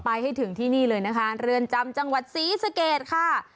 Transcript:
ให้ถึงที่นี่เลยนะคะเรือนจำจังหวัดศรีสะเกดค่ะ